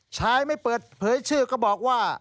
ชายไม่เปิดเผยชื่อก็บอกว่า